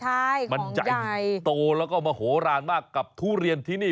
ใช่มันใหญ่โตแล้วก็มโหลานมากกับทุเรียนที่นี่